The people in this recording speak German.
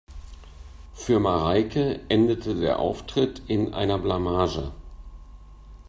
Für Mareike endete der Auftritt in einer Blamage.